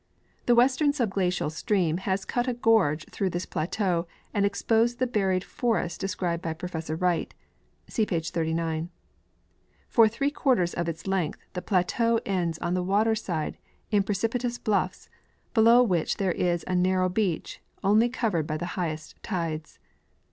The western subglacial stream has cut a gorge through this plateau, and exposed the buried forest described by Professor Wright (see page 39). For three quarters of its length, the plateau ends on the water side in jire cipitous bluffs, below Avhich there is a narrow beach, only covered by the highest tides.